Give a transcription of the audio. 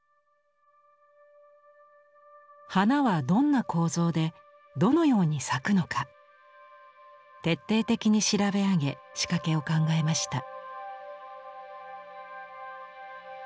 花はどんな構造でどのように咲くのか徹底的に調べ上げ仕掛けを考えました。